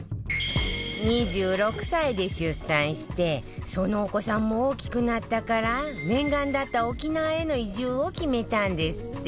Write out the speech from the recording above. ２６歳で出産してそのお子さんも大きくなったから念願だった沖縄への移住を決めたんですって。